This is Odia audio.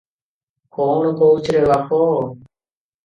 କଣ କହୁଛୁ ରେ ବାପ?